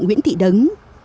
cụ nguyễn thị đấng